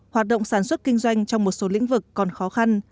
hoạt động sản xuất kinh doanh trong một số lĩnh vực còn khó khăn